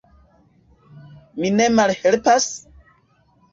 Mi ne malhelpas?